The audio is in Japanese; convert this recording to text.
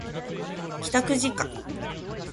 帰宅時間